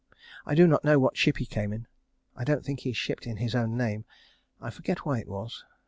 I do not know what ship he came in. I don't think he shipped in his own name. I forget why it was.